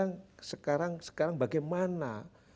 nah sekarang bagaimana